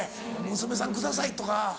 「娘さんください」とか。